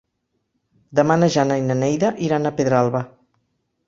Demà na Jana i na Neida iran a Pedralba.